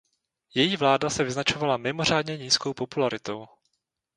Její vláda se vyznačovala mimořádně nízkou popularitou.